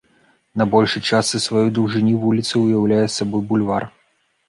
На большай частцы сваёй даўжыні вуліца ўяўляе сабой бульвар.